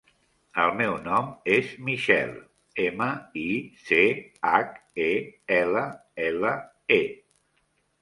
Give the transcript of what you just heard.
El meu nom és Michelle: ema, i, ce, hac, e, ela, ela, e.